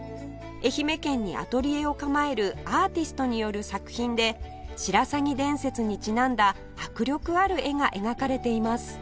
愛媛県にアトリエを構えるアーティストによる作品で白鷺伝説にちなんだ迫力ある絵が描かれています